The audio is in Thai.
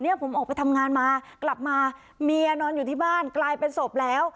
ผมออกไปทำงานมากลับมาเมียนอนอยู่ที่บ้านกลายเป็นศพแล้ว